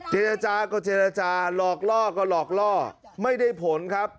เจรจาก็เจรจาหลอกล่อก็หลอกล่อไม่ได้ผลครับ